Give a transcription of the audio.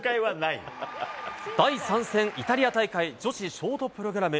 第３戦イタリア大会女子ショートプログラム。